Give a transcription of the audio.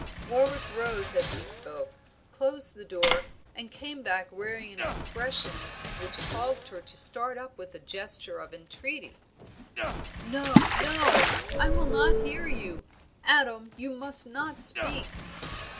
Warwick rose as he spoke, closed the door and came back wearing an expression which caused her to start up with a gesture of entreaty "No no, I will not hear you! Adam, you must not speak!"